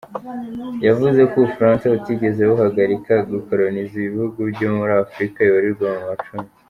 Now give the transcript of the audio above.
Yavuze ko Ubufaransa "butigeze buhagarika gukoloniza ibihugu byo muri Afurika bibarirwa mu macumi".